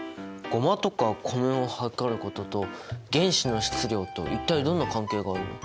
ゴマとか米を量ることと原子の質量と一体どんな関係があるの？